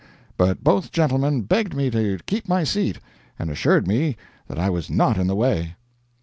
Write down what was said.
But both gentlemen begged me to keep my seat, and assured me that I was not in the way.